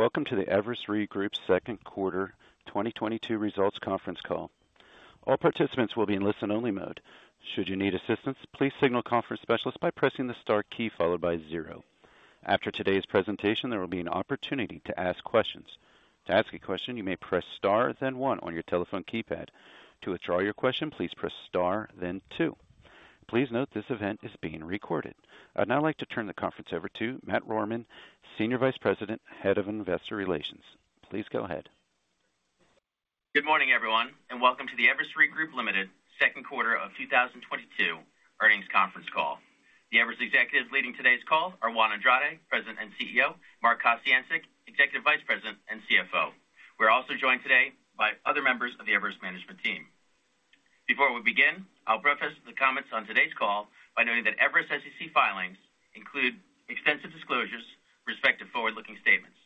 Welcome to the Everest Re Group Second Quarter 2022 Results Conference Call. All participants will be in listen-only mode. Should you need assistance, please signal conference specialist by pressing the star key followed by zero. After today's presentation, there will be an opportunity to ask questions. To ask a question, you may press Star then one on your telephone keypad. To withdraw your question, please press Star then two. Please note this event is being recorded. I'd now like to turn the conference over to Matthew Rohrmann, Senior Vice President, Head of Investor Relations. Please go ahead. Good morning, everyone, and welcome to the Everest Re Group, Ltd. Second Quarter of 2022 Earnings Conference Call. The Everest executives leading today's call are Juan Andrade, President and CEO, Mark Kociancic, Executive Vice President and CFO. We're also joined today by other members of the Everest management team. Before we begin, I'll preface the comments on today's call by noting that Everest SEC filings include extensive disclosures with respect to forward-looking statements.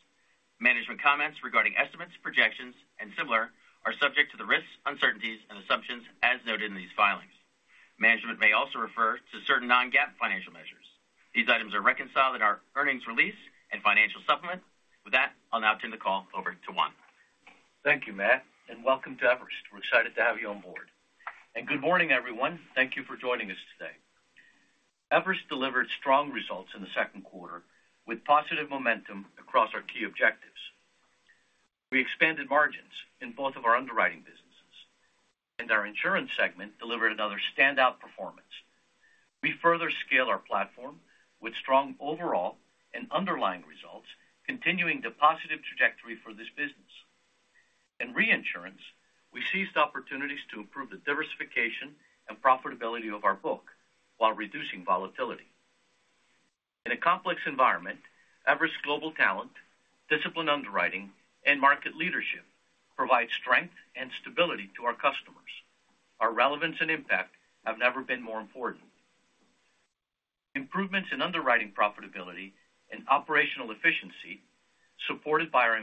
Management comments regarding estimates, projections and similar are subject to the risks, uncertainties and assumptions as noted in these filings. Management may also refer to certain non-GAAP financial measures. These items are reconciled in our earnings release and financial supplement. With that, I'll now turn the call over to Juan. Thank you, Matt, and welcome to Everest. We're excited to have you on board. Good morning, everyone. Thank you for joining us today. Everest delivered strong results in the second quarter with positive momentum across our key objectives. We expanded margins in both of our underwriting businesses, and our insurance segment delivered another standout performance. We further scale our platform with strong overall and underlying results, continuing the positive trajectory for this business. In reinsurance, we seized opportunities to improve the diversification and profitability of our book while reducing volatility. In a complex environment, Everest global talent, disciplined underwriting and market leadership provide strength and stability to our customers. Our relevance and impact have never been more important. Improvements in underwriting profitability and operational efficiency, supported by our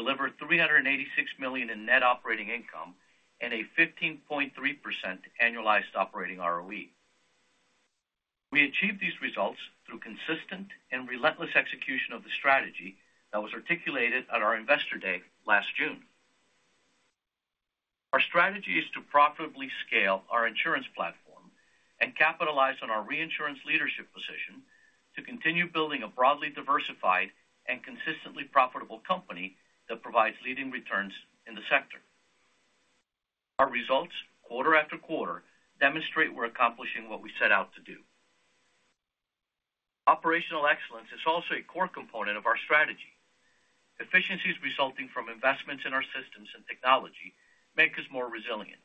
investment portfolio, delivered $386 million in net operating income and a 15.3% annualized operating ROE. We achieved these results through consistent and relentless execution of the strategy that was articulated at our Investor Day last June. Our strategy is to profitably scale our insurance platform and capitalize on our reinsurance leadership position to continue building a broadly diversified and consistently profitable company that provides leading returns in the sector. Our results quarter after quarter demonstrate we're accomplishing what we set out to do. Operational excellence is also a core component of our strategy. Efficiencies resulting from investments in our systems and technology make us more resilient,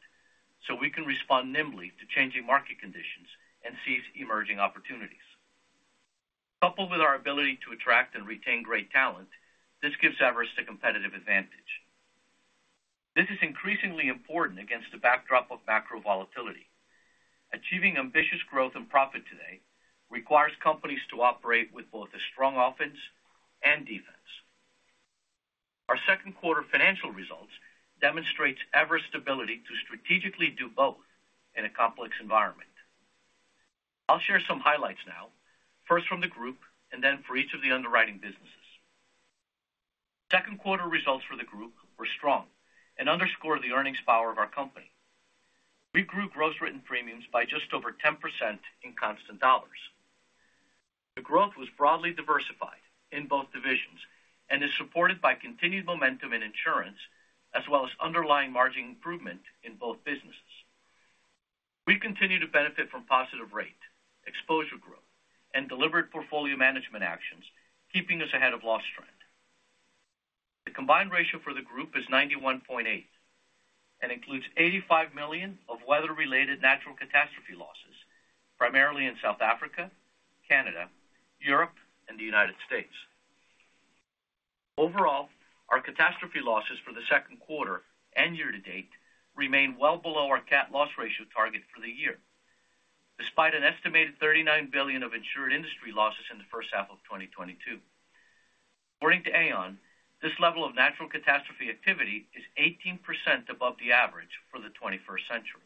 so we can respond nimbly to changing market conditions and seize emerging opportunities. Coupled with our ability to attract and retain great talent, this gives Everest a competitive advantage. This is increasingly important against the backdrop of macro volatility. Achieving ambitious growth and profit today requires companies to operate with both a strong offense and defense. Our second quarter financial results demonstrates Everest ability to strategically do both in a complex environment. I'll share some highlights now, first from the group and then for each of the underwriting businesses. Second quarter results for the group were strong and underscore the earnings power of our company. We grew gross written premiums by just over 10% in constant dollars. The growth was broadly diversified in both divisions and is supported by continued momentum in insurance, as well as underlying margin improvement in both businesses. We continue to benefit from positive rate, exposure growth and deliberate portfolio management actions, keeping us ahead of loss trend. The combined ratio for the group is 91.8 and includes $85 million of weather-related natural catastrophe losses, primarily in South Africa, Canada, Europe and the United States. Overall, our catastrophe losses for the second quarter and year to date remain well below our cat loss ratio target for the year, despite an estimated $39 billion of insured industry losses in the first half of 2022. According to Aon, this level of natural catastrophe activity is 18% above the average for the 21st century.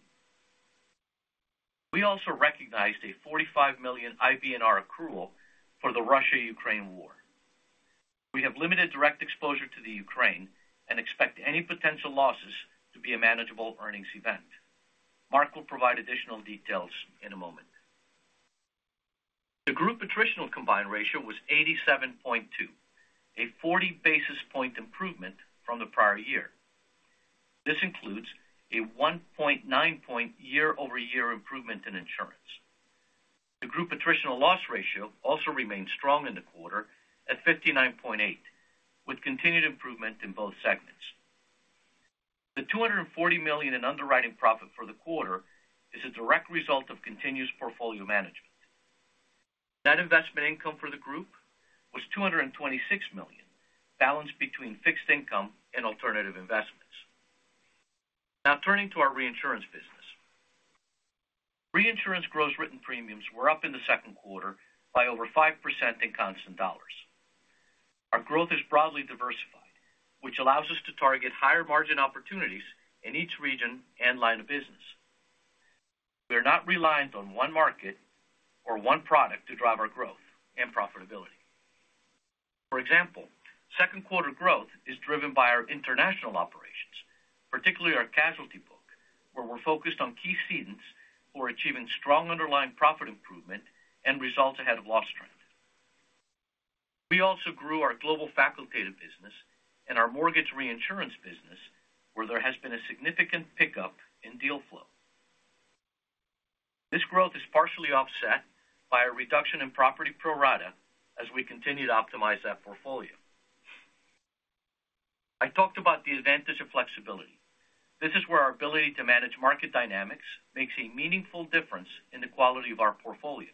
We also recognized a $45 million IBNR accrual for the Russia-Ukraine war. We have limited direct exposure to the Ukraine and expect any potential losses to be a manageable earnings event. Mark will provide additional details in a moment. The group attritional combined ratio was 87.2, a 40 basis point improvement from the prior year. This includes a 1.9-point YoY improvement in insurance. The group attritional loss ratio also remained strong in the quarter at 59.8, with continued improvement in both segments. The $240 million in underwriting profit for the quarter is a direct result of continuous portfolio management. Net investment income for the group was $226 million, balanced between fixed income and alternative investments. Now turning to our reinsurance business. Reinsurance gross written premiums were up in the second quarter by over 5% in constant dollars. Our growth is broadly diversified, which allows us to target higher margin opportunities in each region and line of business. We are not reliant on one market or one product to drive our growth and profitability. For example, second quarter growth is driven by our international operations, particularly our casualty book, where we're focused on key cedents who are achieving strong underlying profit improvement and results ahead of loss trend. We also grew our global facultative business and our mortgage reinsurance business, where there has been a significant pickup in deal flow. This growth is partially offset by a reduction in property pro rata as we continue to optimize that portfolio. I talked about the advantage of flexibility. This is where our ability to manage market dynamics makes a meaningful difference in the quality of our portfolio.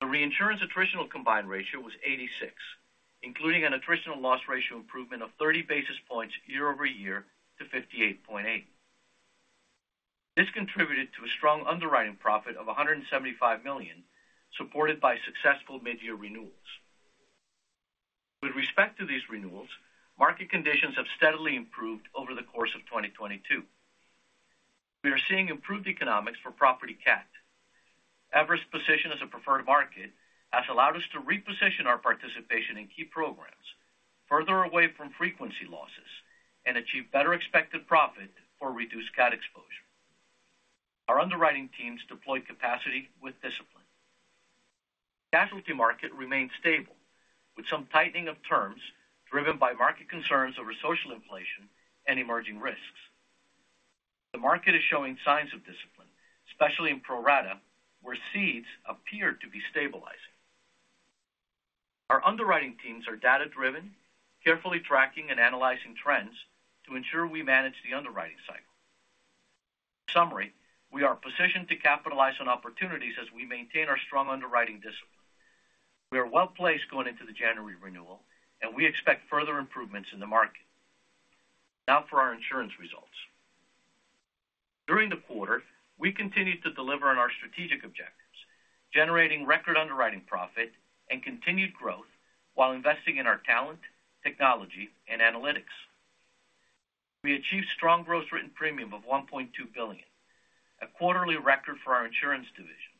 The reinsurance attritional combined ratio was 86, including an attritional loss ratio improvement of 30 basis points YoY to 58.8. This contributed to a strong underwriting profit of $175 million, supported by successful mid-year renewals. With respect to these renewals, market conditions have steadily improved over the course of 2022. We are seeing improved economics for property cat. Everest's position as a preferred market has allowed us to reposition our participation in key programs further away from frequency losses and achieve better expected profit for reduced cat exposure. Our underwriting teams deploy capacity with discipline. Casualty market remains stable, with some tightening of terms driven by market concerns over social inflation and emerging risks. The market is showing signs of discipline, especially in pro rata, where cedes appear to be stabilizing. Our underwriting teams are data-driven, carefully tracking and analyzing trends to ensure we manage the underwriting cycle. In summary, we are positioned to capitalize on opportunities as we maintain our strong underwriting discipline. We are well-placed going into the January renewal, and we expect further improvements in the market. Now for our insurance results. During the quarter, we continued to deliver on our strategic objectives, generating record underwriting profit and continued growth while investing in our talent, technology, and analytics. We achieved strong gross written premium of $1.2 billion, a quarterly record for our insurance division,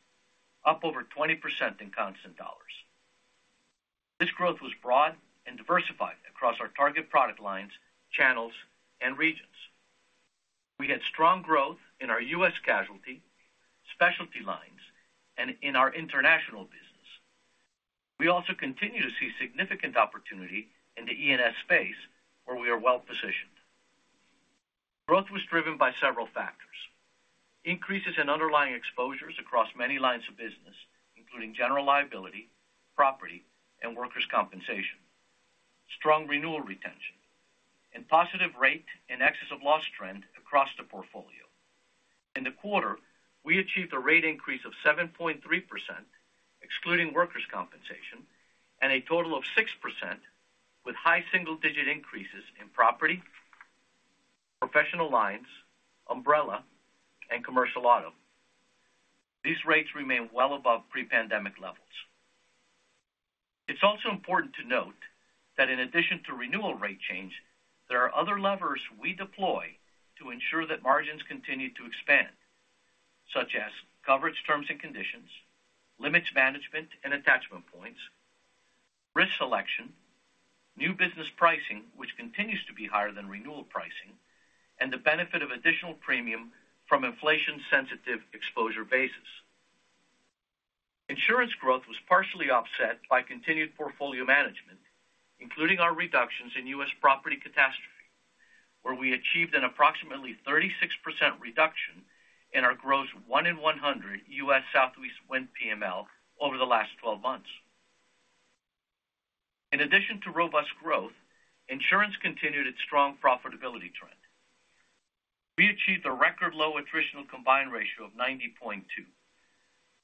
up over 20% in constant dollars. This growth was broad and diversified across our target product lines, channels, and regions. We had strong growth in our U.S. casualty, specialty lines, and in our international business. We also continue to see significant opportunity in the E&S space where we are well-positioned. Growth was driven by several factors. Increases in underlying exposures across many lines of business, including general liability, property, and workers' compensation, strong renewal retention, and positive rate in excess of loss trend across the portfolio. In the quarter, we achieved a rate increase of 7.3%, excluding workers' compensation, and a total of 6% with high single-digit increases in property, professional lines, umbrella, and commercial auto. These rates remain well above pre-pandemic levels. It's also important to note that in addition to renewal rate change, there are other levers we deploy to ensure that margins continue to expand, such as coverage terms and conditions, limits management and attachment points, risk selection, new business pricing, which continues to be higher than renewal pricing, and the benefit of additional premium from inflation-sensitive exposure basis. Insurance growth was partially offset by continued portfolio management, including our reductions in U.S. property catastrophe, where we achieved an approximately 36% reduction in our gross 1 in 100 U.S. Southeast wind PML over the last 12 months. In addition to robust growth, insurance continued its strong profitability trend. We achieved a record low attritional combined ratio of 90.2,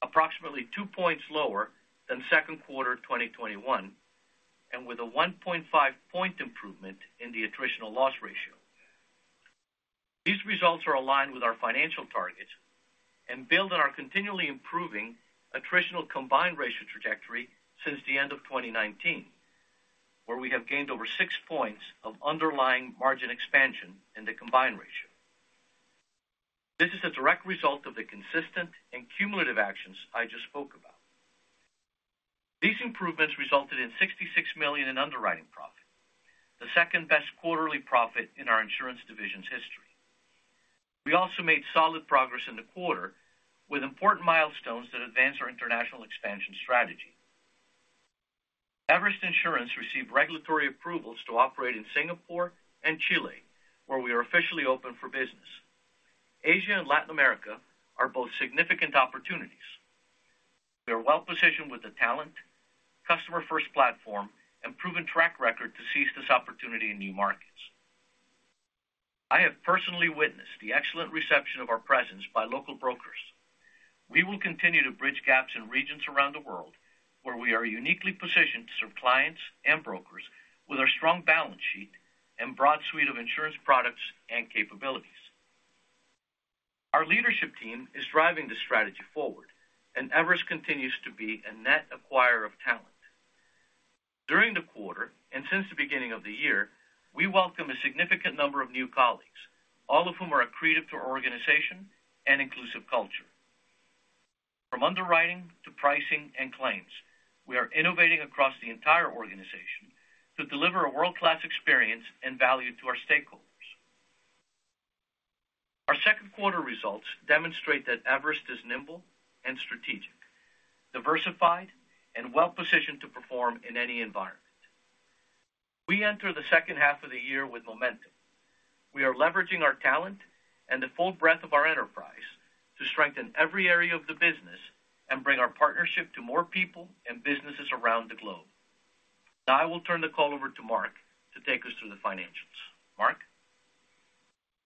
approximately two points lower than second quarter 2021, and with a 1.5 point improvement in the attritional loss ratio. These results are aligned with our financial targets and build on our continually improving attritional combined ratio trajectory since the end of 2019, where we have gained over six points of underlying margin expansion in the combined ratio. This is a direct result of the consistent and cumulative actions I just spoke about. These improvements resulted in $66 million in underwriting profit, the second-best quarterly profit in our insurance division's history. We also made solid progress in the quarter with important milestones that advance our international expansion strategy. Everest Insurance received regulatory approvals to operate in Singapore and Chile, where we are officially open for business. Asia and Latin America are both significant opportunities. We are well-positioned with the talent, customer-first platform, and proven track record to seize this opportunity in new markets. I have personally witnessed the excellent reception of our presence by local brokers. We will continue to bridge gaps in regions around the world where we are uniquely positioned to serve clients and brokers with our strong balance sheet and broad suite of insurance products and capabilities. Our leadership team is driving the strategy forward, and Everest continues to be a net acquirer of talent. During the quarter and since the beginning of the year, we welcome a significant number of new colleagues, all of whom are accretive to our organization and inclusive culture. From underwriting to pricing and claims, we are innovating across the entire organization to deliver a world-class experience and value to our stakeholders. Our second quarter results demonstrate that Everest is nimble and strategic, diversified, and well-positioned to perform in any environment. We enter the second half of the year with momentum. We are leveraging our talent and the full breadth of our enterprise to strengthen every area of the business and bring our partnership to more people and businesses around the globe. Now I will turn the call over to Mark to take us through the financials. Mark?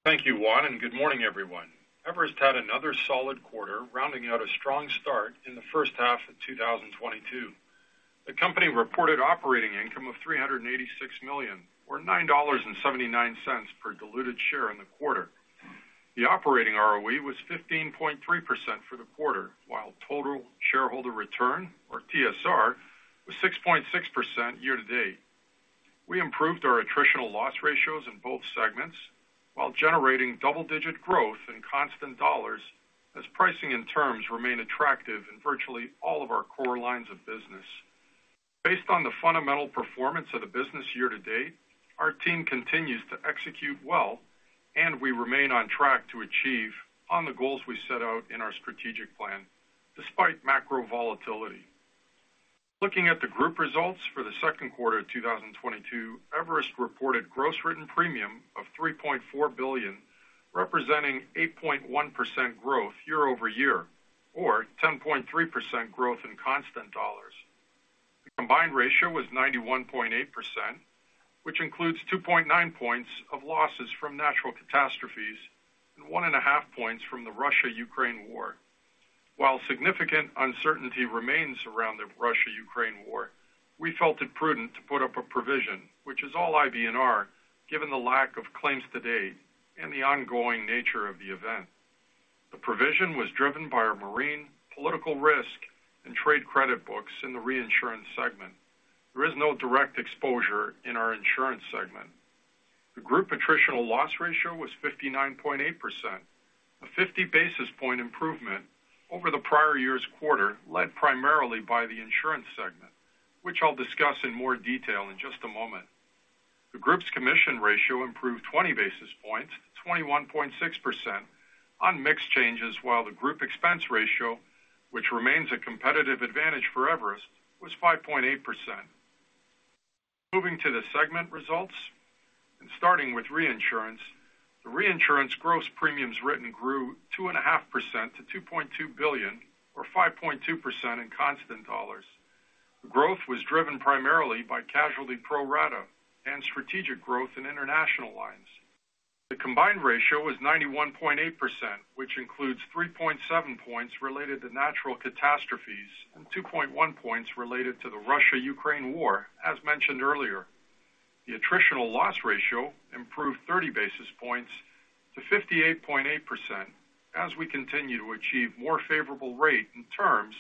Thank you, Juan, and good morning, everyone. Everest had another solid quarter, rounding out a strong start in the first half of 2022. The company reported operating income of $386 million, or $9.79 per diluted share in the quarter. The operating ROE was 15.3% for the quarter, while total shareholder return, or TSR, was 6.6% year to date. We improved our attritional loss ratios in both segments while generating double-digit growth in constant dollars as pricing and terms remain attractive in virtually all of our core lines of business. Based on the fundamental performance of the business year to date, our team continues to execute well, and we remain on track to achieve on the goals we set out in our strategic plan despite macro volatility. Looking at the group results for the second quarter of 2022, Everest reported gross written premium of $3.4 billion, representing 8.1% growth YoY, or 10.3% growth in constant dollars. The combined ratio was 91.8%, which includes 2.9 points of losses from natural catastrophes and 1.5 points from the Russia-Ukraine war. While significant uncertainty remains around the Russia-Ukraine war, we felt it prudent to put up a provision, which is all IBNR, given the lack of claims to date and the ongoing nature of the event. The provision was driven by our marine, political risk, and trade credit books in the reinsurance segment. There is no direct exposure in our insurance segment. The group attritional loss ratio was 59.8%, a 50 basis points improvement over the prior year's quarter, led primarily by the insurance segment, which I'll discuss in more detail in just a moment. The group's commission ratio improved 20 basis points, 21.6% on mix changes, while the group expense ratio, which remains a competitive advantage for Everest, was 5.8%. Moving to the segment results and starting with reinsurance. The reinsurance gross premiums written grew 2.5% to $2.2 billion or 5.2% in constant dollars. The growth was driven primarily by casualty pro rata and strategic growth in international lines. The combined ratio was 91.8%, which includes 3.7 points related to natural catastrophes and 2.1 points related to the Russia-Ukraine war, as mentioned earlier. The attritional loss ratio improved 30 basis points to 58.8% as we continue to achieve more favorable rate in terms,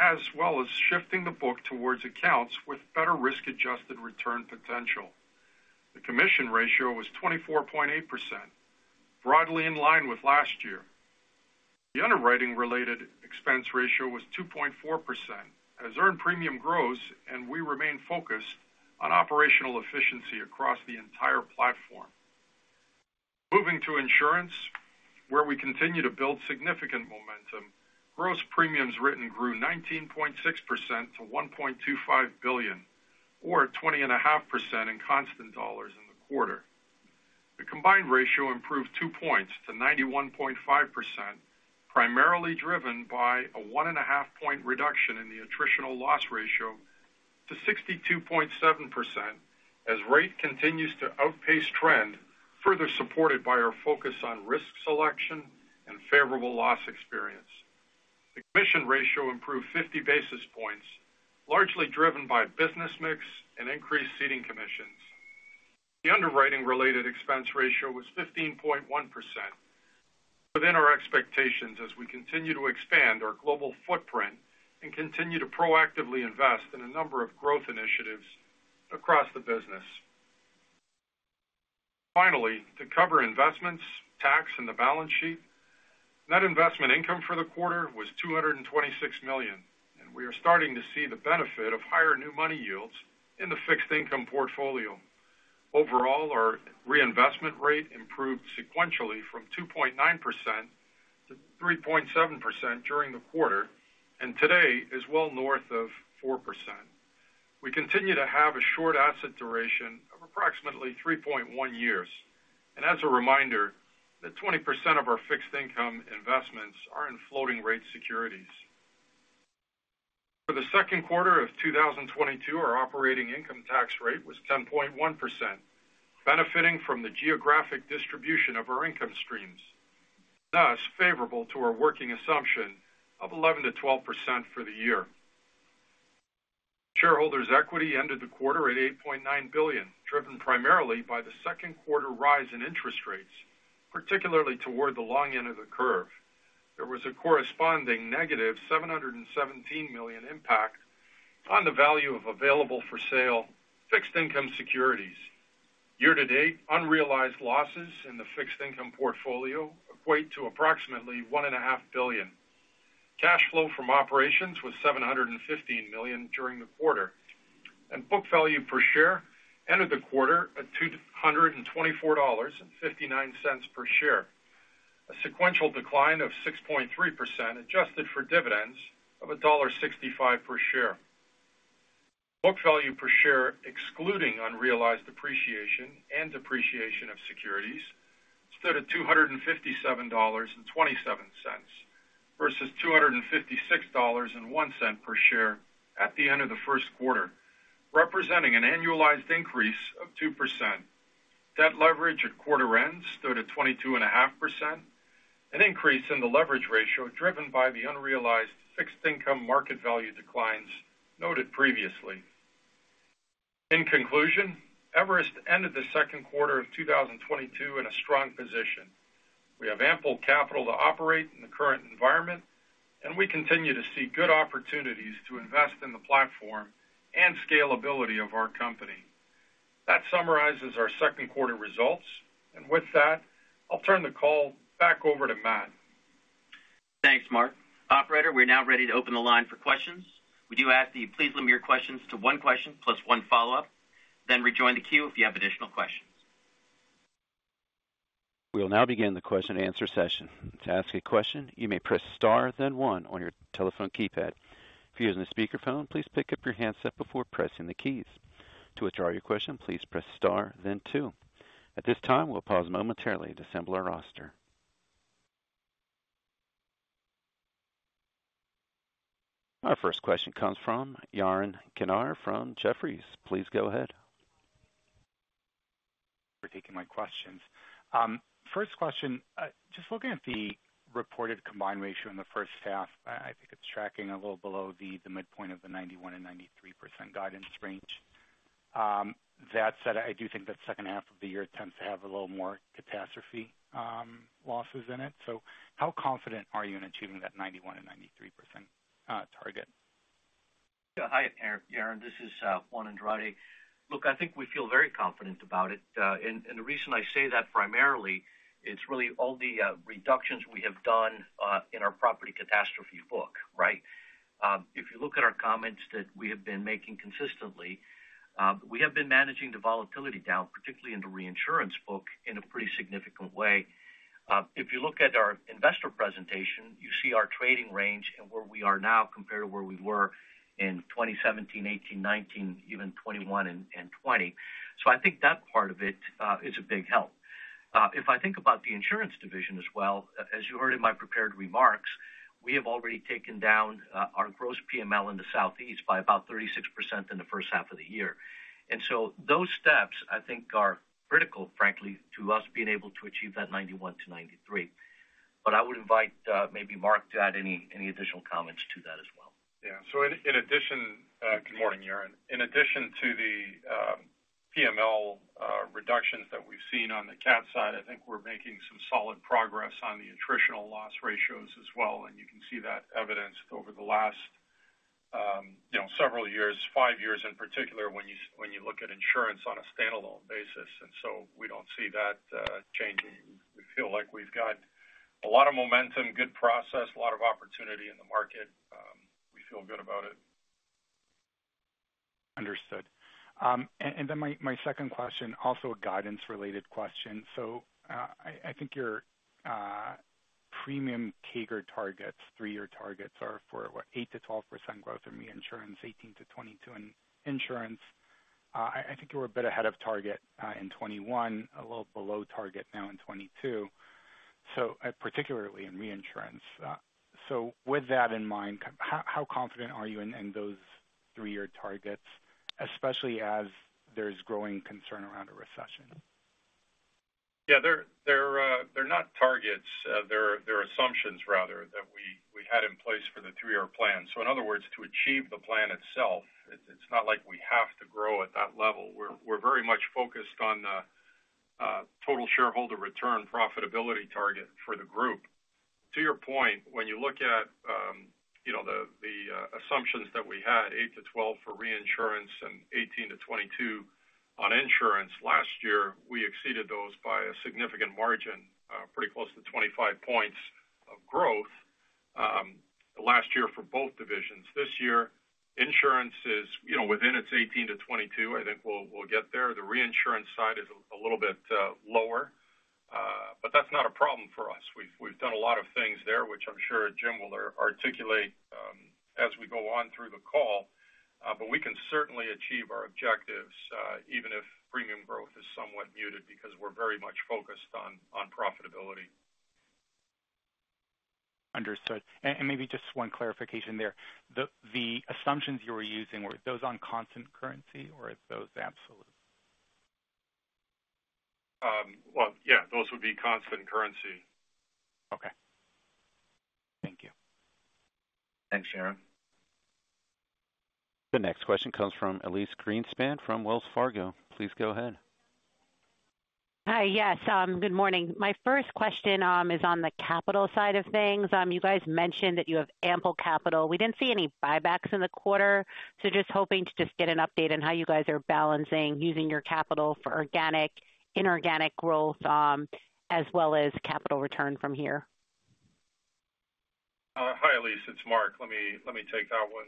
as well as shifting the book towards accounts with better risk-adjusted return potential. The commission ratio was 24.8%, broadly in line with last year. The underwriting-related expense ratio was 2.4% as earned premium grows and we remain focused on operational efficiency across the entire platform. Moving to insurance, where we continue to build significant momentum. Gross premiums written grew 19.6% to $1.25 billion or 20.5% in constant dollars in the quarter. The combined ratio improved two points to 91.5%, primarily driven by a 1.5 point reduction in the attritional loss ratio to 62.7% as rate continues to outpace trend, further supported by our focus on risk selection and favorable loss experience. The commission ratio improved 50 basis points, largely driven by business mix and increased seating commissions. The underwriting-related expense ratio was 15.1% within our expectations as we continue to expand our global footprint and continue to proactively invest in a number of growth initiatives across the business. Finally, to cover investments, tax, and the balance sheet. Net investment income for the quarter was $226 million, and we are starting to see the benefit of higher new money yields in the fixed income portfolio. Overall, our reinvestment rate improved sequentially from 2.9% - 3.7% during the quarter, and today is well north of 4%. We continue to have a short asset duration of approximately 3.1 years. As a reminder that 20% of our fixed income investments are in floating rate securities. For the second quarter of 2022, our operating income tax rate was 10.1%, benefiting from the geographic distribution of our income streams, thus favorable to our working assumption of 11%-12% for the year. Shareholders' equity ended the quarter at $8.9 billion, driven primarily by the second quarter rise in interest rates, particularly toward the long end of the curve. There was a corresponding -$717 million impact on the value of available-for-sale fixed income securities. Year-to-date, unrealized losses in the fixed income portfolio equate to approximately $1.5 billion. Cash flow from operations was $715 million during the quarter, and book value per share ended the quarter at $224.59 per share. A sequential decline of 6.3%, adjusted for dividends of $1.65 per share. Book value per share, excluding unrealized appreciation and depreciation of securities, stood at $257.27 versus $256.01 per share at the end of the first quarter, representing an annualized increase of 2%. Debt leverage at quarter end stood at 22.5%, an increase in the leverage ratio driven by the unrealized fixed income market value declines noted previously. In conclusion, Everest ended the second quarter of 2022 in a strong position. We have ample capital to operate in the current environment, and we continue to see good opportunities to invest in the platform and scalability of our company. That summarizes our second quarter results. With that, I'll turn the call back over to Matt. Thanks, Mark. Operator, we're now ready to open the line for questions. We do ask that you please limit your questions to one question plus one follow-up, then rejoin the queue if you have additional questions. We'll now begin the Q&A session. To ask a question, you may press Star, then one on your telephone keypad. If you're using a speakerphone, please pick up your handset before pressing the keys. To withdraw your question, please press Star then two. At this time, we'll pause momentarily to assemble our roster. Our first question comes from Yaron Kinar from Jefferies. Please go ahead. For taking my questions. First question, just looking at the reported combined ratio in the first half, I think it's tracking a little below the midpoint of the 91%-93% guidance range. That said, I do think that second half of the year tends to have a little more catastrophe losses in it. How confident are you in achieving that 91%-93% target? Yeah. Hi, Yaron. This is Juan Andrade. Look, I think we feel very confident about it. The reason I say that primarily, it's really all the reductions we have done in our property catastrophe book, right? If you look at our comments that we have been making consistently, we have been managing the volatility down, particularly in the reinsurance book, in a pretty significant way. If you look at our investor presentation, you see our trading range and where we are now compared to where we were in 2017, 2018, 2019, even 2021 and 2020. So I think that part of it is a big help. If I think about the insurance division as well, as you heard in my prepared remarks, we have already taken down our gross PML in the Southeast by about 36% in the first half of the year. Those steps, I think, are critical, frankly, to us being able to achieve that 91-93. I would invite maybe Mark to add any additional comments to that as well. Yeah. In addition, good morning, Yaron. In addition to the PML reductions that we've seen on the cat side, I think we're making some solid progress on the attritional loss ratios as well, and you can see that evidenced over the last, you know, several years, five years in particular when you look at insurance on a standalone basis. We don't see that changing. We feel like we've got a lot of momentum, good process, a lot of opportunity in the market. We feel good about it. Understood. Then my second question, also a guidance-related question. I think your premium CAGR targets, three-year targets are for what, 8%-12% growth in reinsurance, 18%-22% in insurance. I think you were a bit ahead of target in 2021, a little below target now in 2022, so particularly in reinsurance. With that in mind, how confident are you in those three-year targets, especially as there's growing concern around a recession? Yeah, they're not targets. They're assumptions rather than we had in place for the three-year plan. In other words, to achieve the plan itself, it's not like we have to grow at that level. We're very much focused on total shareholder return profitability target for the group. To your point, when you look at, you know, the assumptions that we had, 8%-12% for reinsurance and 18%-22% on insurance last year, we exceeded those by a significant margin, pretty close to 25 points of growth, last year for both divisions. This year, insurance is, you know, within its 18%-22%. I think we'll get there. The reinsurance side is a little bit lower, but that's not a problem for us. We've done a lot of things there, which I'm sure Jim will articulate as we go on through the call. We can certainly achieve our objectives even if premium growth is somewhat muted because we're very much focused on profitability. Understood. Maybe just one clarification there. The assumptions you were using, were those on constant currency or are those absolute? Well, yeah, those would be constant currency. Okay. Thank you. Thanks, Yaron. The next question comes from Elyse Greenspan from Wells Fargo. Please go ahead. Hi. Yes, good morning. My first question is on the capital side of things. You guys mentioned that you have ample capital. We didn't see any buybacks in the quarter, so just hoping to get an update on how you guys are balancing using your capital for organic, inorganic growth, as well as capital return from here. Hi, Elyse, it's Mark. Let me take that one.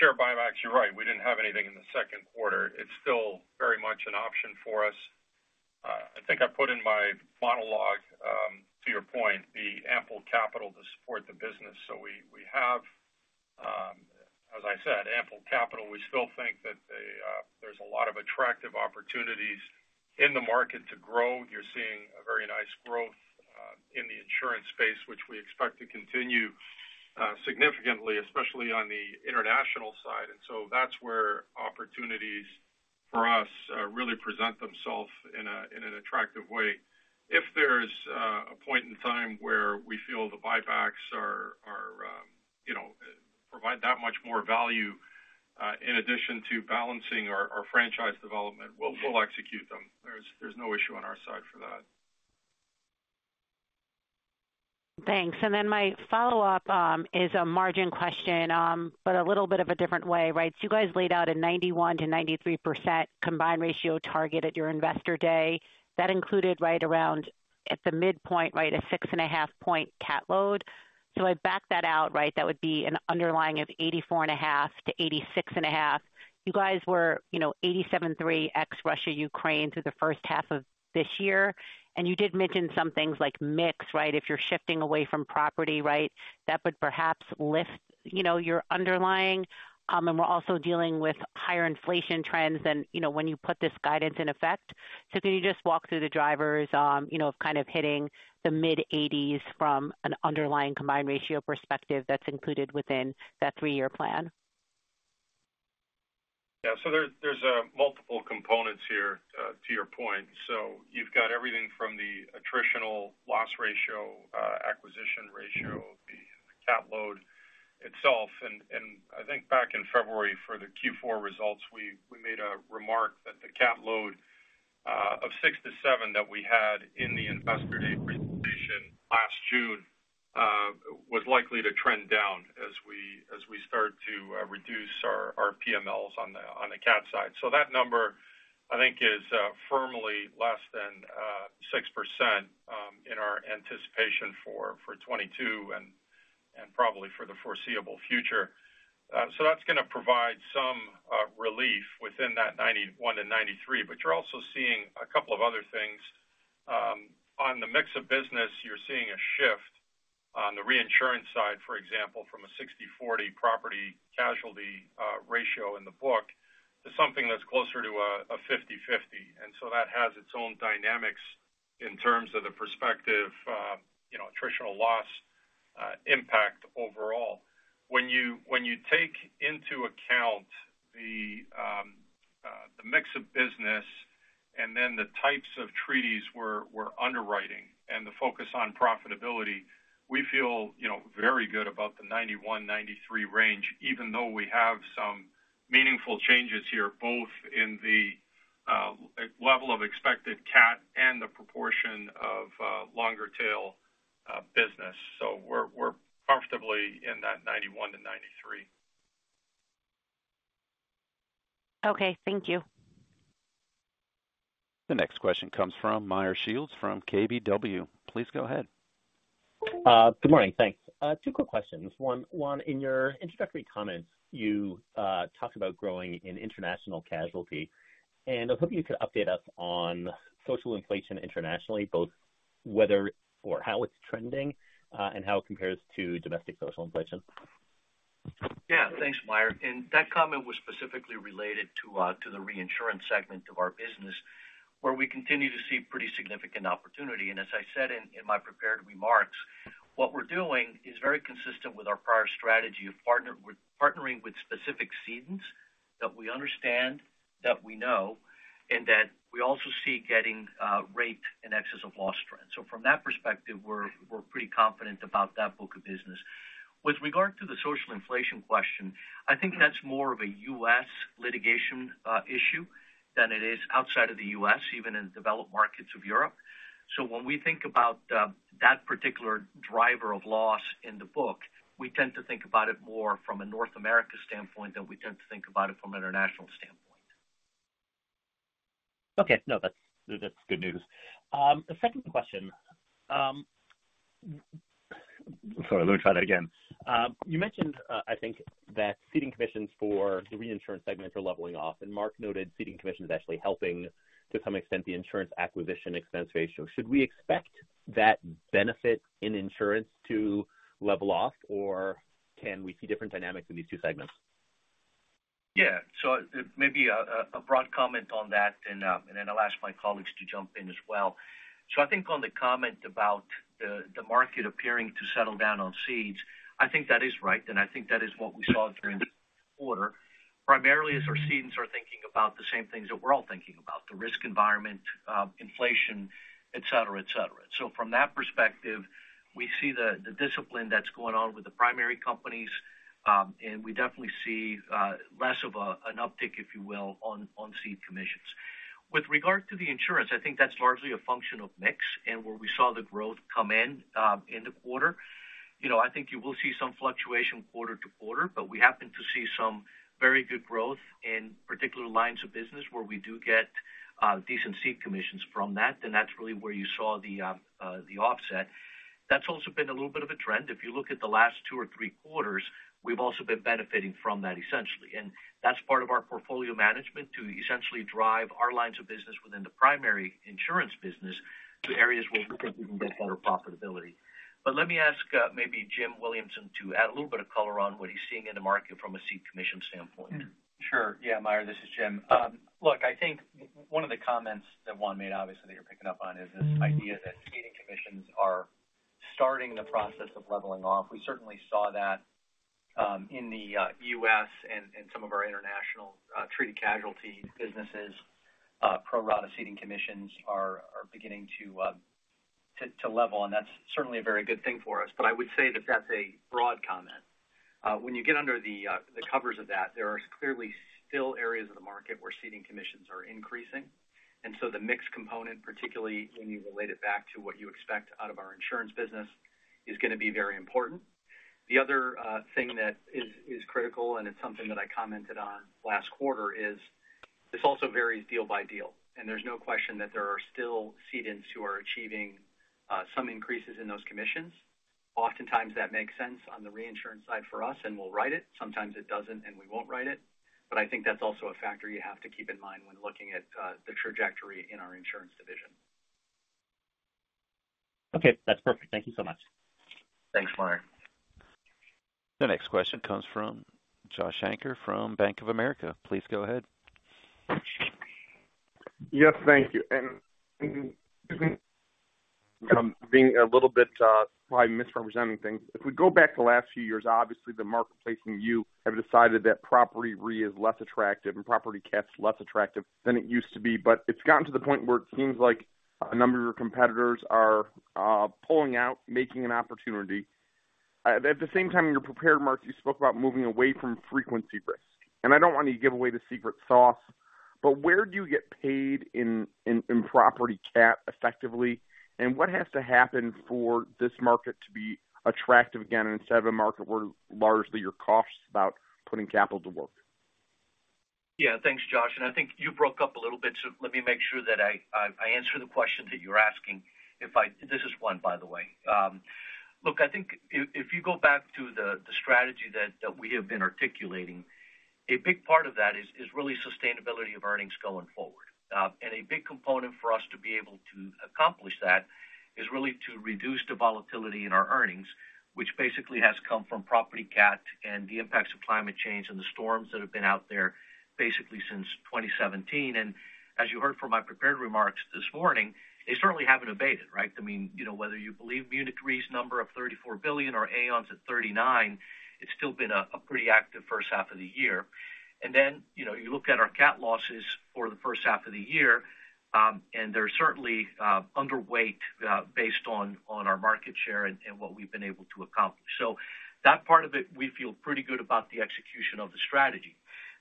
Share buybacks, you're right. We didn't have anything in the second quarter. It's still very much an option for us. I think I put in my monologue to your point, the ample capital to support the business. We have, as I said, ample capital. We still think that there's a lot of attractive opportunities in the market to grow. You're seeing a very nice growth in the insurance space, which we expect to continue significantly, especially on the international side. That's where opportunities for us really present themselves in an attractive way. If there's a point in time where we feel the buybacks are you know provide that much more value in addition to balancing our franchise development, we'll execute them. There's no issue on our side for that. Thanks. Then my follow-up is a margin question, but a little bit of a different way, right? You guys laid out a 91%-93% combined ratio target at your Investor Day. That included right around at the midpoint, right, a 6.5-point cat load. I backed that out, right, that would be an underlying of 84.5-86.5. You guys were, you know, 87.3 ex Russia, Ukraine through the first half of this year. You did mention some things like mix, right? If you're shifting away from property, right, that would perhaps lift, you know, your underlying. We're also dealing with higher inflation trends than, you know, when you put this guidance in effect. Can you just walk through the drivers, you know, kind of hitting the mid-eighties from an underlying combined ratio perspective that's included within that three-year plan? Yeah. There's multiple components here, to your point. You've got everything from the attritional loss ratio, acquisition ratio, the cat load itself. I think back in February for the Q4 results, we made a remark that the cat load of 6%-7% that we had in the Investor Day presentation last June was likely to trend down as we start to reduce our PMLs on the cat side. That number I think is firmly less than 6% in our anticipation for 2022 and probably for the foreseeable future. That's gonna provide some relief within that 91%-93%. You're also seeing a couple of other things. On the mix of business, you're seeing a shift on the reinsurance side, for example, from a 60/40 property casualty ratio in the book to something that's closer to a 50/50. That has its own dynamics in terms of the perspective, you know, attritional loss impact overall. When you take into account the mix of business and then the types of treaties we're underwriting and the focus on profitability, we feel, you know, very good about the 91%-93% range, even though we have some meaningful changes here, both in the level of expected cat and the proportion of longer tail business. We're comfortably in that 91%-93%. Okay, thank you. The next question comes from Meyer Shields from KBW. Please go ahead. Good morning. Thanks. Two quick questions. One, in your introductory comments, you talked about growing in international casualty, and I was hoping you could update us on social inflation internationally, both whether or how it's trending, and how it compares to domestic social inflation. Yeah. Thanks, Meyer. That comment was specifically related to the reinsurance segment of our business, where we continue to see pretty significant opportunity. As I said in my prepared remarks, what we're doing is very consistent with our prior strategy of partnering with specific cedents that we understand, that we know, and that we also see getting rate in excess of loss trends. From that perspective, we're pretty confident about that book of business. With regard to the social inflation question, I think that's more of a U.S. litigation issue than it is outside of the U.S., even in developed markets of Europe. When we think about that particular driver of loss in the book, we tend to think about it more from a North America standpoint than we tend to think about it from international standpoint. Okay. No, that's good news. You mentioned, I think that ceding commissions for the reinsurance segments are leveling off, and Mark noted ceding commission is actually helping to some extent the insurance acquisition expense ratio. Should we expect that benefit in insurance to level off, or can we see different dynamics in these two segments? Yeah. Maybe a broad comment on that, and then I'll ask my colleagues to jump in as well. I think on the comment about the market appearing to settle down on cedes, I think that is right, and I think that is what we saw during the quarter, primarily as our cedents are thinking about the same things that we're all thinking about, the risk environment, inflation, etc., etc.. From that perspective, we see the discipline that's going on with the primary companies, and we definitely see less of an uptick, if you will, on cede commissions. With regard to the insurance, I think that's largely a function of mix and where we saw the growth come in in the quarter. You know, I think you will see some fluctuation quarter to quarter, but we happen to see some very good growth in particular lines of business where we do get decent ceding commissions from that, and that's really where you saw the offset. That's also been a little bit of a trend. If you look at the last two or three quarters, we've also been benefiting from that essentially. That's part of our portfolio management to essentially drive our lines of business within the primary insurance business to areas where we think we can get better profitability. Let me ask maybe Jim Williamson to add a little bit of color on what he's seeing in the market from a ceding commission standpoint. Sure. Yeah, Meyer, this is Jim. Look, I think one of the comments that Juan made, obviously, that you're picking up on is this idea that ceding commissions are starting the process of leveling off. We certainly saw that in the U.S. and some of our international treaty casualty businesses pro rata ceding commissions are beginning to level, and that's certainly a very good thing for us. I would say that that's a broad comment. When you get under the covers of that, there are clearly still areas of the market where ceding commissions are increasing. The mix component, particularly when you relate it back to what you expect out of our insurance business, is gonna be very important. The other thing that is critical, and it's something that I commented on last quarter, is this also varies deal by deal. There's no question that there are still cedents who are achieving some increases in those commissions. Oftentimes, that makes sense on the reinsurance side for us and we'll write it. Sometimes it doesn't and we won't write it. I think that's also a factor you have to keep in mind when looking at the trajectory in our insurance division. Okay, that's perfect. Thank you so much. Thanks, Meyer. The next question comes from Joshua Shanker from Bank of America. Please go ahead. Yes, thank you. Excuse me. I'm being a little bit probably misrepresenting things. If we go back to the last few years, obviously, the marketplace has decided that property Re is less attractive and property cat is less attractive than it used to be. But it's gotten to the point where it seems like a number of your competitors are pulling out, making an opportunity. At the same time in your prepared remarks, you spoke about moving away from frequency risk. I don't want to give away the secret sauce, but where do you get paid in property cat effectively? What has to happen for this market to be attractive again instead of a market where largely you're just about putting capital to work? Yeah. Thanks, Josh. I think you broke up a little bit, so let me make sure that I answer the question that you're asking. This is Juan, by the way. Look, I think if you go back to the strategy that we have been articulating, a big part of that is really sustainability of earnings going forward. A big component for us to be able to accomplish that is really to reduce the volatility in our earnings, which basically has come from property cat and the impacts of climate change and the storms that have been out there basically since 2017. As you heard from my prepared remarks this morning, they certainly haven't abated, right? I mean, you know, whether you believe Munich Re's number of $34 billion or Aon's at $39 billion, it's still been a pretty active first half of the year. You know, you look at our cat losses for the first half of the year, and they're certainly underweight based on our market share and what we've been able to accomplish. That part of it, we feel pretty good about the execution of the strategy.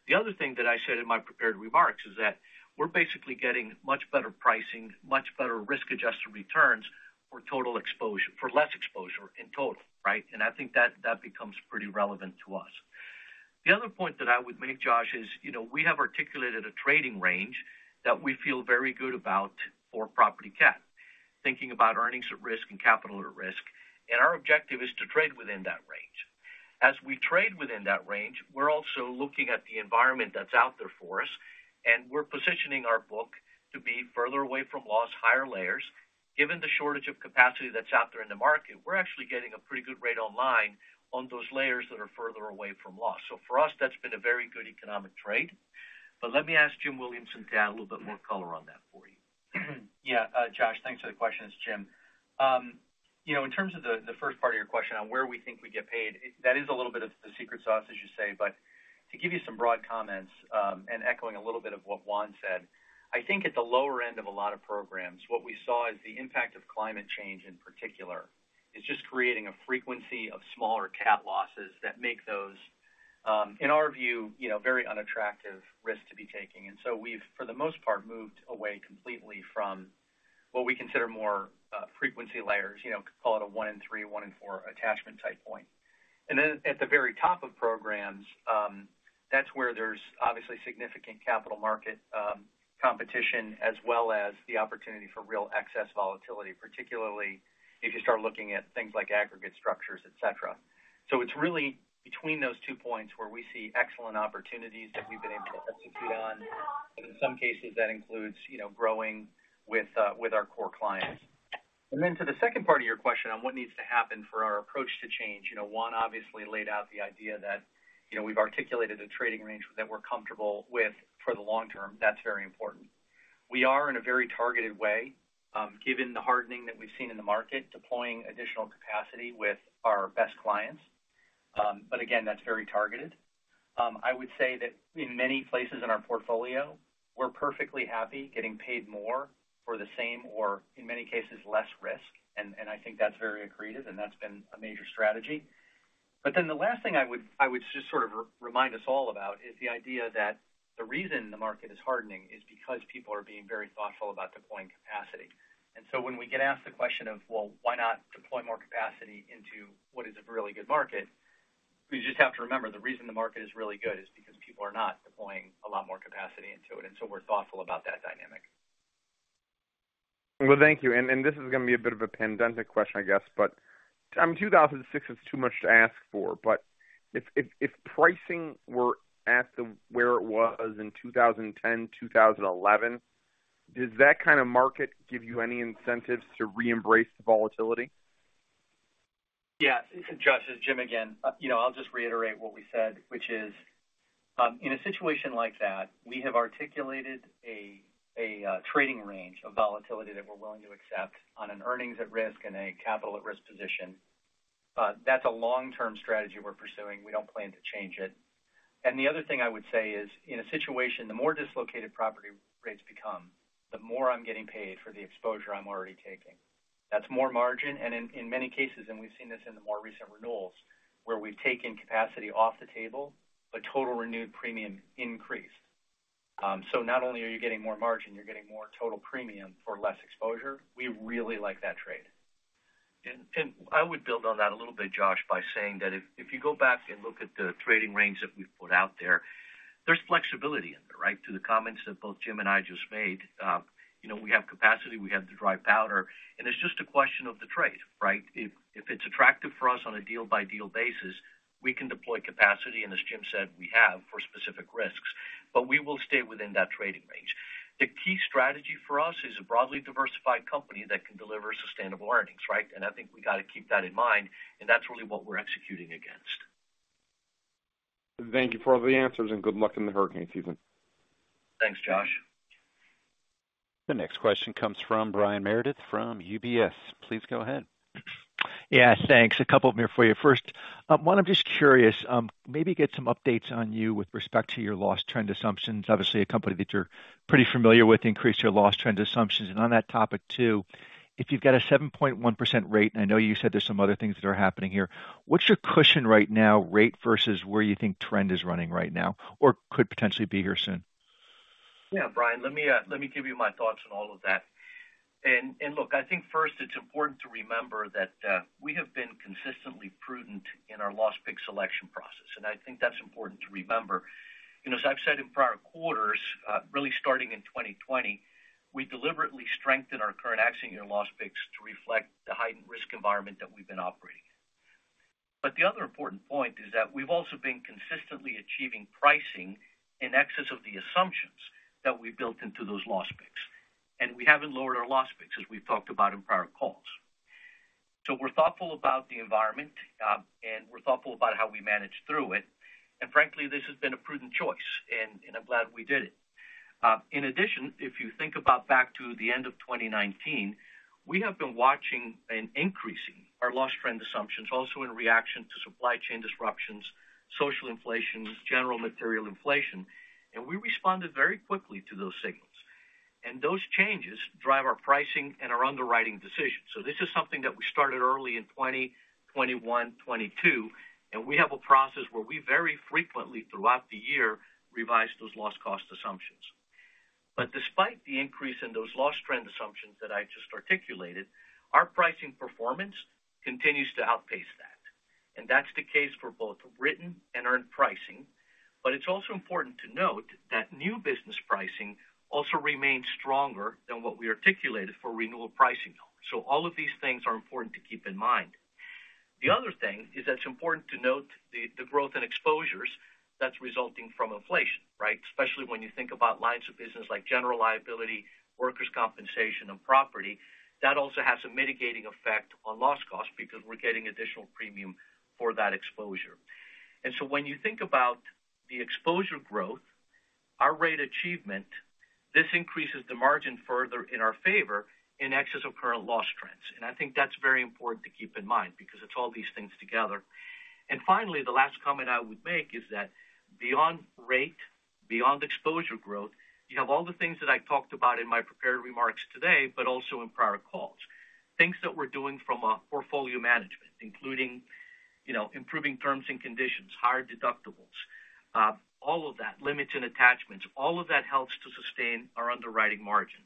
The other thing that I said in my prepared remarks is that we're basically getting much better pricing, much better risk-adjusted returns for total exposure, for less exposure in total, right? I think that becomes pretty relevant to us. The other point that I would make, Josh, is, you know, we have articulated a trading range that we feel very good about for property cat, thinking about earnings at risk and capital at risk, and our objective is to trade within that range. As we trade within that range, we're also looking at the environment that's out there for us, and we're positioning our book to be further away from loss, higher layers. Given the shortage of capacity that's out there in the market, we're actually getting a pretty good rate on line on those layers that are further away from loss. So for us, that's been a very good economic trade. But let me ask Jim Williamson to add a little bit more color on that for you. Yeah, Josh, thanks for the question. It's Jim. You know, in terms of the first part of your question on where we think we get paid, that is a little bit of the secret sauce, as you say. To give you some broad comments, and echoing a little bit of what Juan said, I think at the lower end of a lot of programs, what we saw is the impact of climate change in particular is just creating a frequency of smaller cat losses that make those, in our view, you know, very unattractive risk to be taking. We've, for the most part, moved away completely from what we consider more frequency layers. You know, call it a one in three, one in four attachment type point. At the very top of programs, that's where there's obviously significant capital market competition as well as the opportunity for real excess volatility, particularly if you start looking at things like aggregate structures, etc.. It's really between those two points where we see excellent opportunities that we've been able to execute on. In some cases, that includes, you know, growing with our core clients. To the second part of your question on what needs to happen for our approach to change. You know, Juan obviously laid out the idea that, you know, we've articulated a trading range that we're comfortable with for the long term. That's very important. We are in a very targeted way, given the hardening that we've seen in the market, deploying additional capacity with our best clients. Again, that's very targeted. I would say that in many places in our portfolio, we're perfectly happy getting paid more for the same or in many cases, less risk. I think that's very accretive, and that's been a major strategy. The last thing I would just sort of remind us all about is the idea that the reason the market is hardening is because people are being very thoughtful about deploying capacity. When we get asked the question of, well, why not deploy more capacity into what is a really good market? We just have to remember the reason the market is really good is because people are not deploying a lot more capacity into it, and so we're thoughtful about that dynamic. Well, thank you. This is gonna be a bit of a pandemic question, I guess, but 2006 is too much to ask for. If pricing were at where it was in 2010, 2011, does that kind of market give you any incentives to re-embrace the volatility? Yes. This is Josh, it's Jim again. You know, I'll just reiterate what we said, which is, in a situation like that, we have articulated a trading range of volatility that we're willing to accept on an earnings at risk and a capital at risk position. That's a long-term strategy we're pursuing. We don't plan to change it. The other thing I would say is, in a situation, the more dislocated property rates become, the more I'm getting paid for the exposure I'm already taking. That's more margin. In many cases, we've seen this in the more recent renewals, where we've taken capacity off the table, the total renewed premium increased. Not only are you getting more margin, you're getting more total premium for less exposure. We really like that trade. I would build on that a little bit, Josh, by saying that if you go back and look at the trading range that we've put out there's flexibility in there, right? To the comments that both Jim and I just made, you know, we have capacity, we have the dry powder, and it's just a question of the trade, right? If it's attractive for us on a deal-by-deal basis, we can deploy capacity, and as Jim said, we have for specific risks. We will stay within that trading range. The key strategy for us is a broadly diversified company that can deliver sustainable earnings, right? I think we gotta keep that in mind, and that's really what we're executing against. Thank you for all the answers, and good luck in the hurricane season. Thanks, Josh. The next question comes from Brian Meredith from UBS. Please go ahead. Yeah, thanks. A couple of them here for you. First, one, I'm just curious, maybe get some updates on you with respect to your loss trend assumptions. Obviously, a company that you're pretty familiar with increased your loss trend assumptions. On that topic too, if you've got a 7.1% rate, and I know you said there's some other things that are happening here, what's your cushion right now, rate versus where you think trend is running right now or could potentially be here soon? Yeah, Brian, let me give you my thoughts on all of that. Look, I think first it's important to remember that we have been consistently prudent in our loss pick selection process, and I think that's important to remember. You know, as I've said in prior quarters, really starting in 2020, we deliberately strengthened our current accident year loss picks to reflect the heightened risk environment that we've been operating in. The other important point is that we've also been consistently achieving pricing in excess of the assumptions that we've built into those loss picks. We haven't lowered our loss picks as we've talked about in prior calls. We're thoughtful about the environment, and we're thoughtful about how we manage through it. Frankly, this has been a prudent choice, and I'm glad we did it. In addition, if you think about back to the end of 2019, we have been watching and increasing our loss trend assumptions also in reaction to supply chain disruptions, social inflation, general material inflation. We responded very quickly to those signals. Those changes drive our pricing and our underwriting decisions. This is something that we started early in 2020, 2021, 2022, and we have a process where we very frequently throughout the year revise those loss cost assumptions. Despite the increase in those loss trend assumptions that I just articulated, our pricing performance continues to outpace that. That's the case for both written and earned pricing. It's also important to note that new business pricing also remains stronger than what we articulated for renewal pricing. All of these things are important to keep in mind. The other thing is that it's important to note the growth in exposures that's resulting from inflation, right? Especially when you think about lines of business like general liability, workers' compensation, and property. That also has a mitigating effect on loss cost because we're getting additional premium for that exposure. When you think about the exposure growth, our rate achievement, this increases the margin further in our favor in excess of current loss trends. I think that's very important to keep in mind because it's all these things together. Finally, the last comment I would make is that beyond rate, beyond exposure growth, you have all the things that I talked about in my prepared remarks today, but also in prior calls. Things that we're doing from a portfolio management, including, you know, improving terms and conditions, higher deductibles, all of that, limits and attachments, all of that helps to sustain our underwriting margin.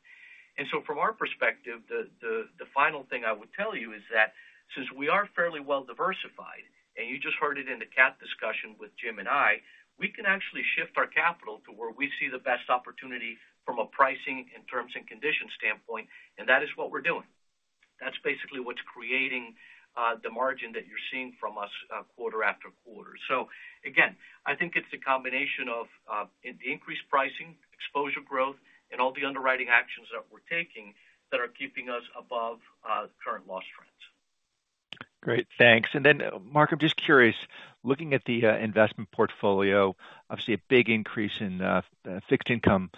From our perspective, the final thing I would tell you is that since we are fairly well diversified, and you just heard it in the cat discussion with Jim and I, we can actually shift our capital to where we see the best opportunity from a pricing and terms and conditions standpoint, and that is what we're doing. That's basically what's creating the margin that you're seeing from us quarter after quarter. Again, I think it's a combination of increased pricing, exposure growth, and all the underwriting actions that we're taking that are keeping us above current loss trends. Great. Thanks. Mark, I'm just curious, looking at the investment portfolio, obviously a big increase in fixed income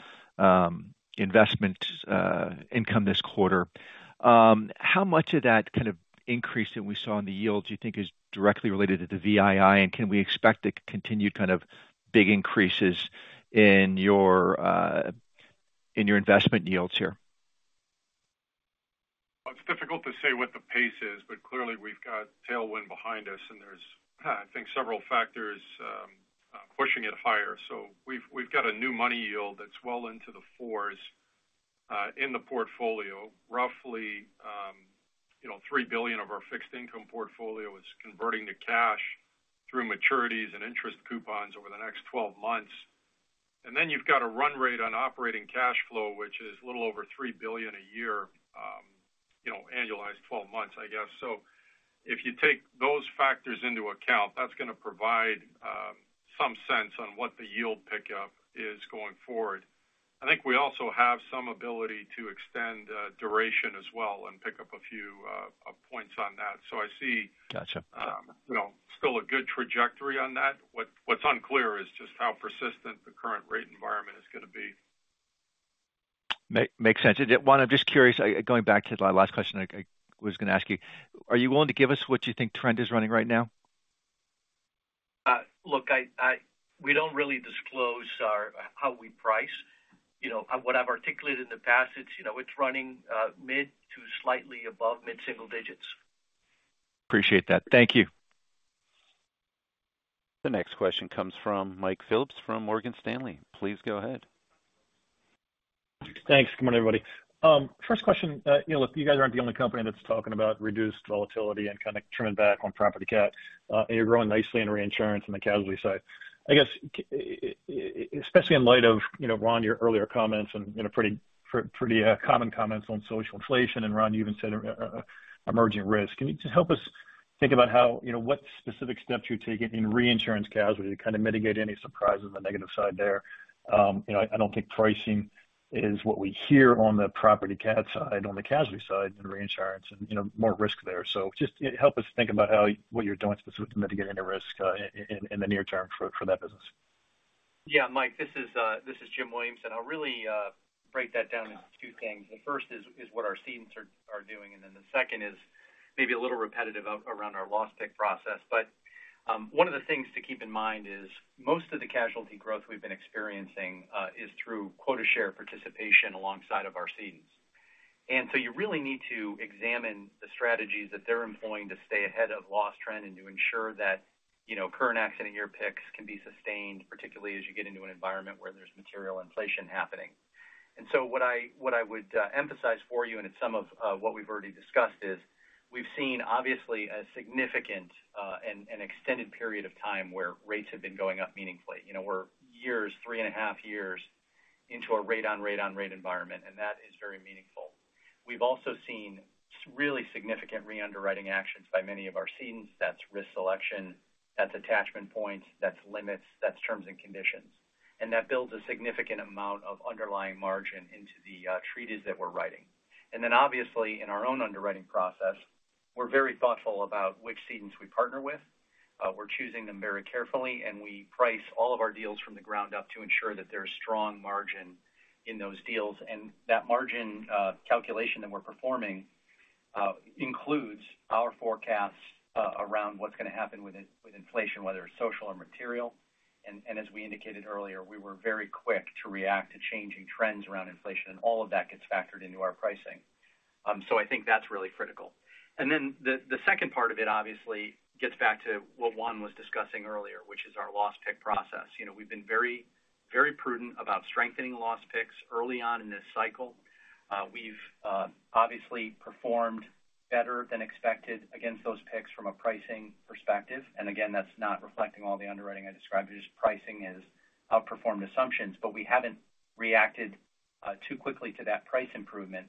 investment income this quarter. How much of that kind of increase that we saw in the yields you think is directly related to the VII, and can we expect a continued kind of big increases in your investment yields here? It's difficult to say what the pace is, but clearly we've got tailwind behind us and there's, I think, several factors pushing it higher. We've got a new money yield that's well into the 4s in the portfolio. Roughly, you know, $3 billion of our fixed income portfolio is converting to cash through maturities and interest coupons over the next 12 months. Then you've got a run rate on operating cash flow, which is a little over $3 billion a year, you know, annualized 12 months, I guess. If you take those factors into account, that's gonna provide some sense on what the yield pickup is going forward. I think we also have some ability to extend duration as well and pick up a few points on that. Got you. I see you know, still a good trajectory on that. What's unclear is just how persistent the current rate environment is gonna be. Makes sense. Juan, I'm just curious, going back to the last question I was gonna ask you, are you willing to give us what you think trend is running right now? Look, we don't really disclose how we price. You know, what I've articulated in the past, it's, you know, it's running mid to slightly above mid-single digits. Appreciate that. Thank you. The next question comes from Mike Phillips from Morgan Stanley. Please go ahead. Thanks. Good morning, everybody. First question. You know, look, you guys aren't the only company that's talking about reduced volatility and kind of trimming back on property cat. You're growing nicely in reinsurance on the casualty side. I guess, especially in light of, you know, Juan, your earlier comments and, you know, pretty common comments on social inflation, and Juan, you even said emerging risk. Can you just help us think about how, you know, what specific steps you're taking in reinsurance casualty to kind of mitigate any surprise on the negative side there? You know, I don't think pricing is what we hear on the property cat side, on the casualty side and reinsurance and, you know, more risk there. Just help us think about how what you're doing specific to mitigating the risk in the near term for that business. Yeah, Mike, this is Jim Williamson. I'll really break that down into two things. The first is what our cedents are doing, and then the second is maybe a little repetitive around our loss pick process. One of the things to keep in mind is most of the casualty growth we've been experiencing is through quota share participation alongside of our cedents. You really need to examine the strategies that they're employing to stay ahead of loss trend and to ensure that, you know, current accident year picks can be sustained, particularly as you get into an environment where there's material inflation happening. What I would emphasize for you, and it's some of what we've already discussed is we've seen obviously a significant and an extended period of time where rates have been going up meaningfully. You know, we're 3.5 years into a rate on rate on rate environment, and that is very meaningful. We've also seen really significant re-underwriting actions by many of our cedents. That's risk selection, that's attachment points, that's limits, that's terms and conditions. That builds a significant amount of underlying margin into the treaties that we're writing. Obviously, in our own underwriting process, we're very thoughtful about which cedents we partner with. We're choosing them very carefully, and we price all of our deals from the ground up to ensure that there's strong margin in those deals. That margin calculation that we're performing includes our forecasts around what's gonna happen with inflation, whether it's social or material. As we indicated earlier, we were very quick to react to changing trends around inflation, and all of that gets factored into our pricing. I think that's really critical. Then the second part of it obviously gets back to what Juan was discussing earlier, which is our loss pick process. You know, we've been very prudent about strengthening loss picks early on in this cycle. We've obviously performed better than expected against those picks from a pricing perspective. Again, that's not reflecting all the underwriting I described. Just pricing has outperformed assumptions, but we haven't reacted too quickly to that price improvement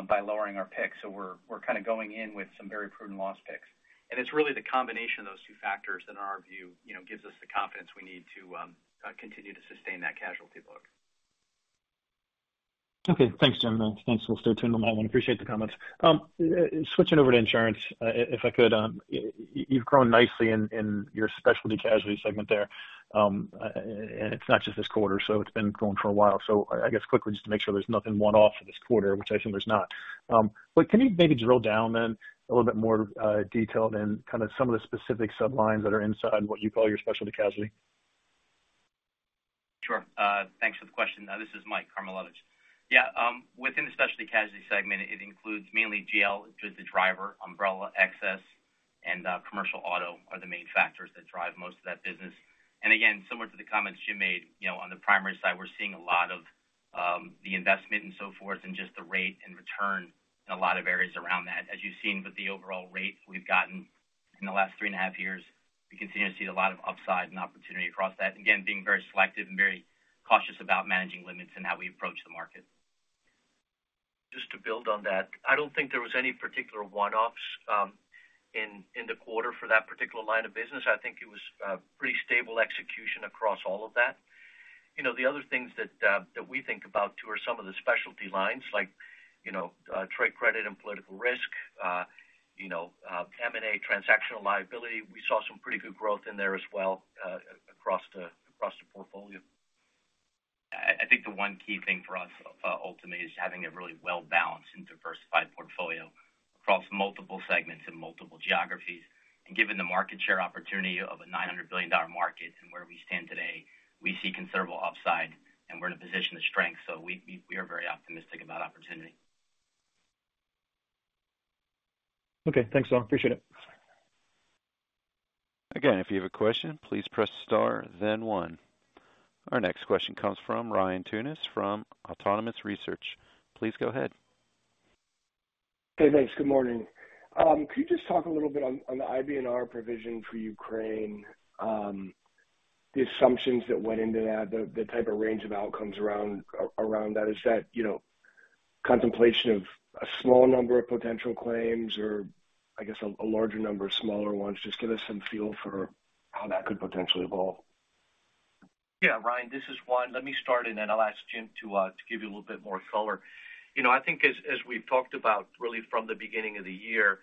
by lowering our picks. We're kind of going in with some very prudent loss picks. It's really the combination of those two factors that in our view, you know, gives us the confidence we need to continue to sustain that casualty book. Okay. Thanks, Jim. Thanks. We'll stay tuned on that one. Appreciate the comments. Switching over to insurance, if I could. You've grown nicely in your specialty casualty segment there. It's not just this quarter, so it's been growing for a while. I guess quickly just to make sure there's nothing one-off for this quarter, which I assume there's not. Can you maybe drill down then a little bit more detail then kind of some of the specific sublines that are inside what you call your specialty casualty? Sure. Thanks for the question. This is Mike Karmilowicz. Yeah, within the specialty casualty segment, it includes mainly GL, which is the driver, umbrella excess, and commercial auto are the main factors that drive most of that business. Again, similar to the comments Jim made, you know, on the primary side, we're seeing a lot of the investment and so forth and just the rate and retention in a lot of areas around that. As you've seen with the overall rate we've gotten in the last three and a half years, we continue to see a lot of upside and opportunity across that. Again, being very selective and very cautious about managing limits and how we approach the market. Just to build on that, I don't think there was any particular one-offs in the quarter for that particular line of business. I think it was pretty stable execution across all of that. You know, the other things that we think about too are some of the specialty lines like, you know, trade credit and political risk, you know, M&A transactional liability. We saw some pretty good growth in there as well, across the portfolio. I think the one key thing for us ultimately is having a really well-balanced and diversified portfolio across multiple segments and multiple geographies. Given the market share opportunity of a $900 billion market and where we stand today, we see considerable upside and we're in a position of strength. We are very optimistic about opportunity. Okay, thanks all. Appreciate it. Again, if you have a question, please press star then one. Our next question comes from Ryan Tunis from Autonomous Research. Please go ahead. Hey, thanks. Good morning. Could you just talk a little bit on the IBNR provision for Ukraine, the assumptions that went into that, the type of range of outcomes around that. Is that, you know, contemplation of a small number of potential claims or I guess a larger number of smaller ones? Just give us some feel for how that could potentially evolve. Yeah, Ryan, this is Juan. Let me start, and then I'll ask Jim to give you a little bit more color. You know, I think as we've talked about really from the beginning of the year,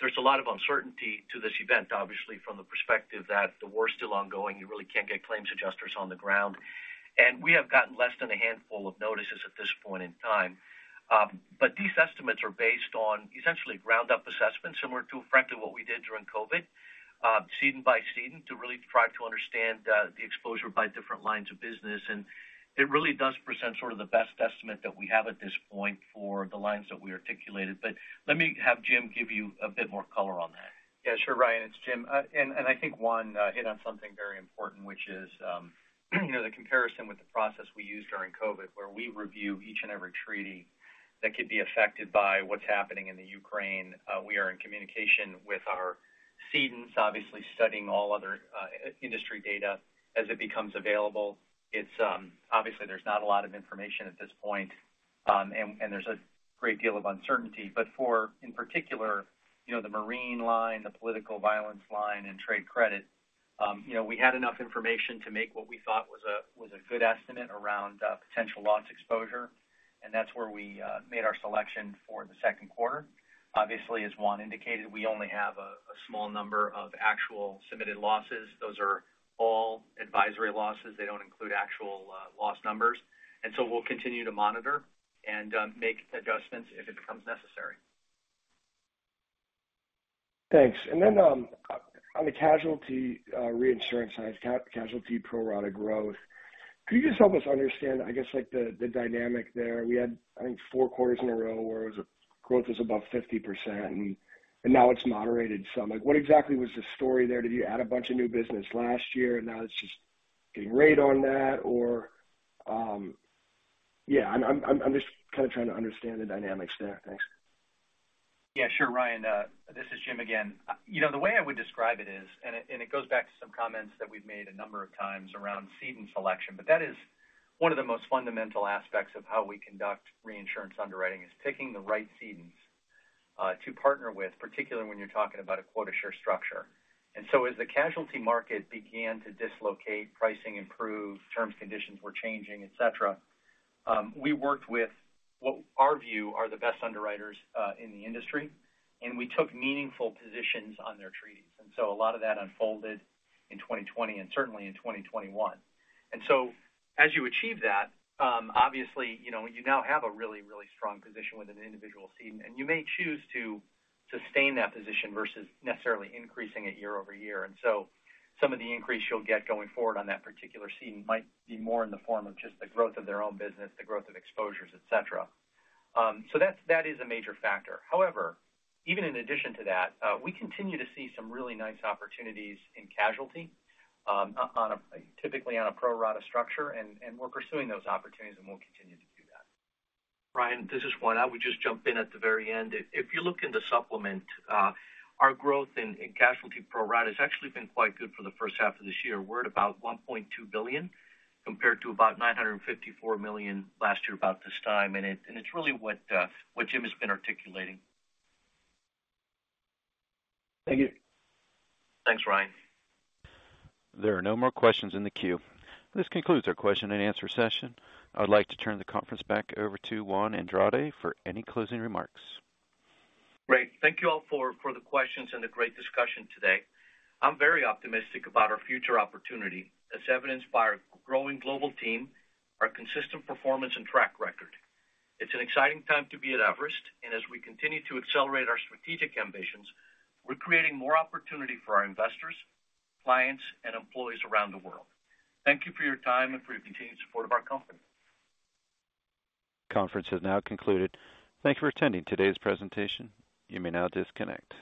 there's a lot of uncertainty to this event, obviously, from the perspective that the war is still ongoing. You really can't get claims adjusters on the ground. We have gotten less than a handful of notices at this point in time. But these estimates are based on essentially ground-up assessments, similar to frankly, what we did during COVID, cedent by cedent to really try to understand the exposure by different lines of business. It really does present sort of the best estimate that we have at this point for the lines that we articulated. Let me have Jim give you a bit more color on that. Yeah, sure. Ryan, it's Jim. I think Juan hit on something very important, which is, you know, the comparison with the process we used during COVID, where we review each and every treaty that could be affected by what's happening in Ukraine. We are in communication with our cedents, obviously studying all other industry data as it becomes available. Obviously, there's not a lot of information at this point, and there's a great deal of uncertainty. In particular, you know, the marine line, the political violence line and trade credit, you know, we had enough information to make what we thought was a good estimate around potential loss exposure. That's where we made our selection for the second quarter. Obviously, as Juan indicated, we only have a small number of actual submitted losses. Those are all advisory losses. They don't include actual loss numbers. We'll continue to monitor and make adjustments if it becomes necessary. Thanks. On the casualty reinsurance side, casualty pro rata growth, could you just help us understand, I guess, like the dynamic there? We had, I think, four quarters in a row where the growth was above 50%, and now it's moderated some. Like, what exactly was the story there? Did you add a bunch of new business last year and now it's just getting rated on that? Yeah, I'm just kind of trying to understand the dynamics there. Thanks. Yeah, sure, Ryan. This is Jim again. You know, the way I would describe it is, and it goes back to some comments that we've made a number of times around cedent selection, but that is one of the most fundamental aspects of how we conduct reinsurance underwriting is picking the right cedents to partner with, particularly when you're talking about a quota share structure. As the casualty market began to dislocate, pricing improved, terms, conditions were changing, etc, we worked with what our view are the best underwriters in the industry, and we took meaningful positions on their treaties. A lot of that unfolded in 2020 and certainly in 2021. As you achieve that, obviously, you know, you now have a really strong position with an individual ceding, and you may choose to sustain that position versus necessarily increasing it year over year. Some of the increase you'll get going forward on that particular ceding might be more in the form of just the growth of their own business, the growth of exposures, etc.. That is a major factor. However, even in addition to that, we continue to see some really nice opportunities in casualty, typically on a pro rata structure, and we're pursuing those opportunities and we'll continue to do that. Ryan, this is Juan. I would just jump in at the very end. If you look in the supplement, our growth in casualty pro rata has actually been quite good for the first half of this year. We're at about $1.2 billion compared to about $954 million last year about this time. It's really what Jim has been articulating. Thank you. Thanks, Ryan. There are no more questions in the queue. This concludes our question and answer session. I'd like to turn the conference back over to Juan Andrade for any closing remarks. Great. Thank you all for the questions and the great discussion today. I'm very optimistic about our future opportunity as evidenced by our growing global team, our consistent performance, and track record. It's an exciting time to be at Everest, and as we continue to accelerate our strategic ambitions, we're creating more opportunity for our investors, clients, and employees around the world. Thank you for your time and for your continued support of our company. Conference is now concluded. Thank you for attending today's presentation. You may now disconnect.